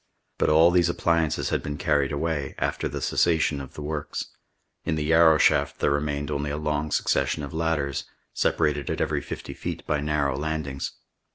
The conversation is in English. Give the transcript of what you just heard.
But all these appliances had been carried away, after the cessation of the works. In the Yarrow shaft there remained only a long succession of ladders, separated at every fifty feet by narrow landings.